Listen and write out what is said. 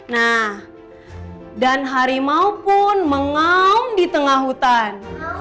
nah dan harimau pun mengaum di tengah hutan